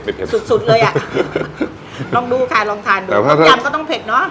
ลองดูค่ะลองทานดูปลาต้มยำก็ต้องเผ็ดเนอะ